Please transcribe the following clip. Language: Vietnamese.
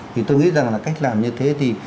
thì tôi nghĩ rằng là cách làm như thế thì